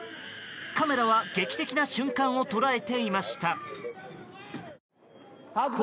カメラは劇的な瞬間を捉えていました。